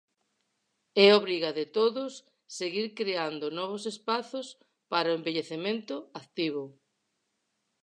É obriga de todos seguir creando novos espazos para o envellecemento activo.